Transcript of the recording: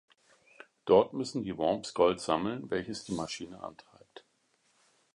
Dort müssen die Worms Gold sammeln, welches die Maschine antreibt.